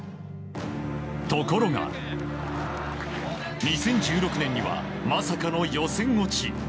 ところが、２０１６年にはまさかの予選落ち。